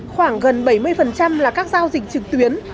khoảng gần bảy mươi là các giao dịch trực tuyến